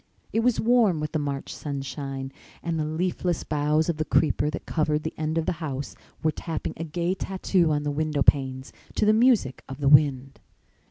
It was warm with the March sunshine and the leafless boughs of the creeper that covered the end of the house were tapping a gay tattoo on the window panes to the music of the wind.